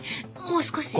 もう少し。